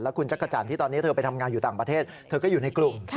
คุณจักรจันทร์ที่ตอนนี้เธอไปทำงานอยู่ต่างประเทศเธอก็อยู่ในกลุ่ม